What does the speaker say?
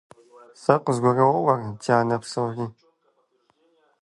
Сэ къызгуроӀуэр, дянэ, псори.